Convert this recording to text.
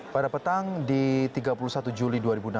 pada petang di tiga puluh satu juli dua ribu enam belas